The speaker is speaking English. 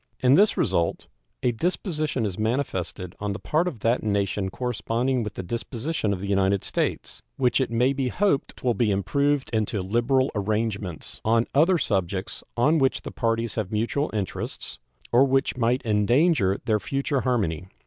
In this result a disposition is manifested on the part of that nation corresponding with the disposition of the United States, which it may be hoped will be improved into liberal arrangements on other subjects on which the parties have mutual interests, or which might endanger their future harmony.